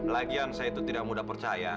lagian saya itu tidak mudah percaya